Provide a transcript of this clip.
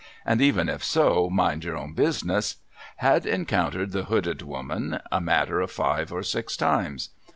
and even if so, mind your own busmcss, had encountered the hooded woman, a matter of five or six timers.